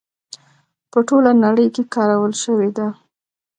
په ټوله نړۍ کې کارول شوې ده.